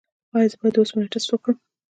ایا زه باید د اوسپنې ټسټ وکړم؟